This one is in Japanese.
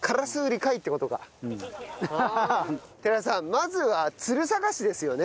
まずはツル探しですよね！